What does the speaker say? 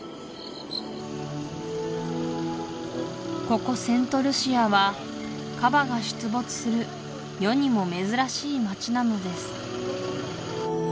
ここセントルシアはカバが出没する世にも珍しい街なのです